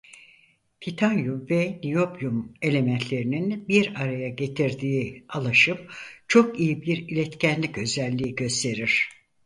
Titanyum ve niyobyum elementlerinin bir araya getirdiği alaşım çok iyi bir iletkenlik özelliği gösterir.